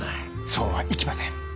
そうはいきません。